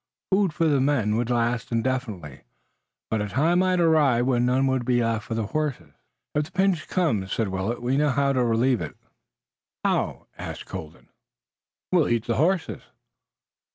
Food for the men would last indefinitely, but a time might arrive when none would be left for the horses. "If the pinch comes," said Willet, "we know how to relieve it." "How?" asked Colden. "We'll eat the horses."